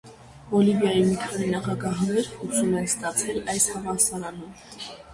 Բոլիվիայի մի քանի նախագահներ ուսում են ստացել այս համալսարանում։